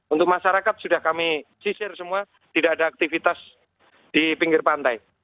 untuk masyarakat sudah kami sisir semua tidak ada aktivitas di pinggir pantai